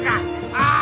ああ！